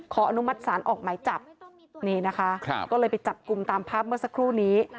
อนุมัติศาลออกหมายจับนี่นะคะก็เลยไปจับกลุ่มตามภาพเมื่อสักครู่นี้